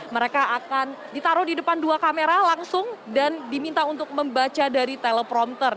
mereka akan ditaruh di depan dua kamera langsung dan diminta untuk membaca dari teleprompter